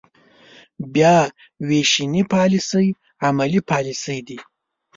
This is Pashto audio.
بیا وېشنې پاليسۍ عملي پاليسۍ دي.